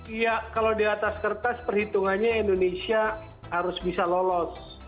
iya kalau di atas kertas perhitungannya indonesia harus bisa lolos